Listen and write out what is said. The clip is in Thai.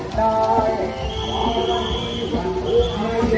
สวัสดีครับ